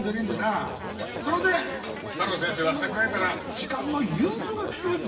その点太郎先生は作家やから時間の融通が利きますでしょ？